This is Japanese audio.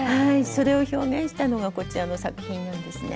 それを表現したのがこちらの作品なんですね。